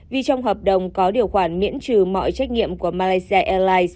vì trong hợp đồng có điều khoản miễn trừ mọi trách nhiệm của malaysia airlines